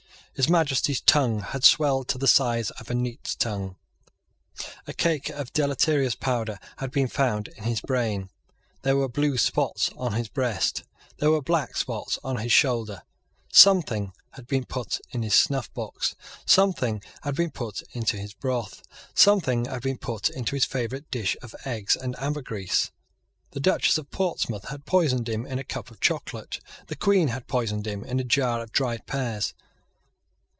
His Majesty's tongue had swelled to the size of a neat's tongue. A cake of deleterious powder had been found in his brain. There were blue spots on his breast, There were black spots on his shoulder. Something had been, put in his snuff box. Something had been put into his broth. Something had been put into his favourite dish of eggs and ambergrease. The Duchess of Portsmouth had poisoned him in a cup of chocolate. The Queen had poisoned him in a jar of dried pears.